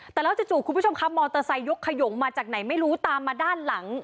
แต่แล้วจู่คุณผู้ชมครับมอเตอร์ไซค์ยกขยงมาจากไหนไม่รู้ตามมาด้านหลัง